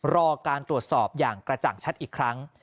รอการตรวจสอบอย่างกระจ่างชัดอีกครั้ง